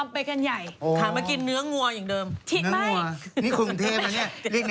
ล้างซ้ำก็บอกนี่เลยนี่มันออกมาแล้ว